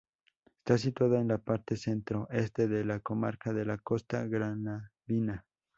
Está situada en la parte centro-este de la comarca de la Costa Granadina.